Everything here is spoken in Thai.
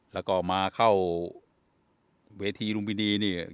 แล้วก็มาเข้าเวทีลุมพินีนี่